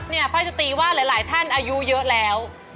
พ่อจะตีว่าหลายท่านอายุเยอะแล้ว